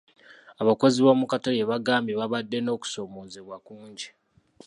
Abakozi b'omukatale baagambye baabadde n'okusoomozebwa kungi.